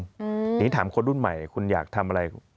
อย่างนี้ถามคนรุ่นใหม่คุณอยากทำอะไร